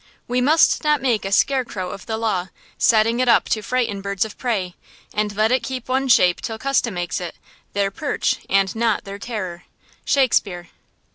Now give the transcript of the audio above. We must not make a scare crow of the law, Setting it up to frighten birds of prey; And let it keep one shape till custom makes it, Their perch and not their terror. –SHAKESPEARE.